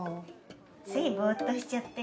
ついぼうっとしちゃって。